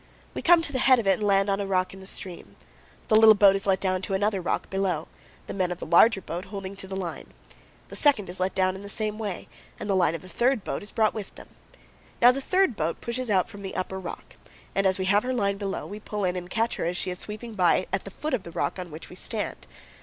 We come to the head of it and land on a rock in the stream. The little boat is let down to another rock below, the men of the larger boat holding to the line; the second boat is let down in the same way, and the line of the third boat is brought with them. Now the third boat pushes out from the upper rock, and, as we have her line below, we pull in and catch her as she is sweeping by at the foot of the rock on which we stand.